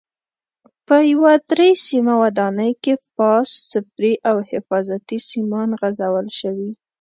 په یوه درې سیمه ودانۍ کې فاز، صفري او حفاظتي سیمان غځول شوي.